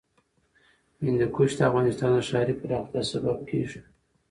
هندوکش د افغانستان د ښاري پراختیا سبب کېږي.